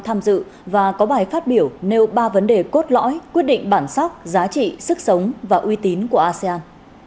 tham dự và có bài phát biểu nêu ba vấn đề cốt lõi quyết định bản sắc giá trị sức sống và uy tín của asean